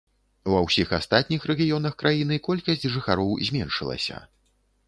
Ва ўсіх астатніх рэгіёнах краіны колькасць жыхароў зменшылася.